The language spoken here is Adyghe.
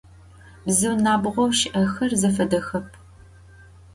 Bzıu nabğou şı'exer zefedexep.